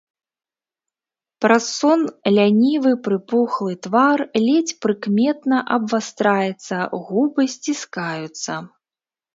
Праз сон лянівы прыпухлы твар ледзь прыкметна абвастраецца, губы сціскаюцца.